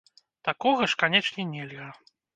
Такога ж, канечне, нельга!